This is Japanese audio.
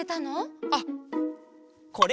あっこれ。